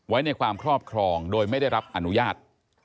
ไว้ในความครอบครองโดยไม่ได้รับอนุญาต